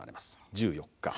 １４日。